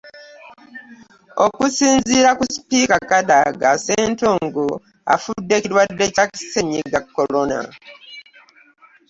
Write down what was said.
Okusinziira ku Sipiika Kadaga, Ssentongo afudde kirwadde kya Ssennyiga Corona